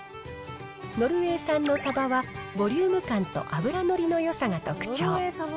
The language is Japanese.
ノルウェー産のサバはボリューム感と脂乗りのよさが特徴。